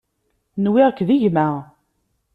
Nwiɣ-k d gma-k.